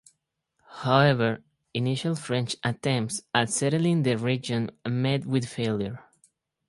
However, initial French attempts at settling the region met with failure.